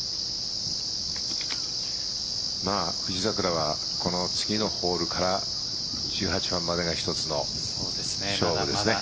富士桜はこの次のホールから１８番までが一つの勝負ですね。